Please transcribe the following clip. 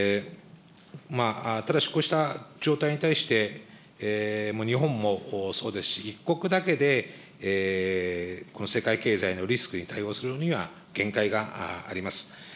ただし、こうした状態に対して、日本もそうですし、一国だけでこの世界経済のリスクに対応するには限界があります。